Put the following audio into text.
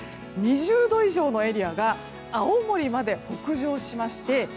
２０度以上のエリアが青森まで北上しまして